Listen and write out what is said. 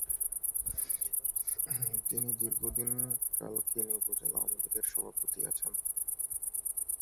তিনি দীর্ঘ দিন কালকিনি উপজেলা আওয়ামীলীগের সভাপতি আছেন।